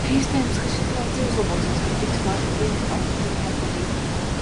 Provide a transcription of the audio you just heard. Iespējams, ka situācija uzlabosies, kad tiks pārskatīta Austrumu partnerība.